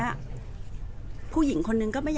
แต่ว่าสามีด้วยคือเราอยู่บ้านเดิมแต่ว่าสามีด้วยคือเราอยู่บ้านเดิม